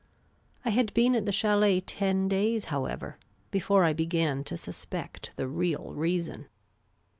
I had been at the chdlet ten days, however, before I began to sus pect the real reason.